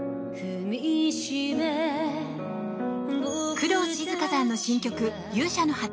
工藤静香さんの新曲「勇者の旗」。